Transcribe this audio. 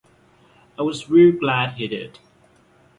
I was real glad she did.